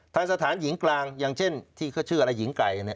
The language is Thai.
ทางสถานหญิงกลางอย่างเช่นที่เขาชื่ออะไรหญิงไก่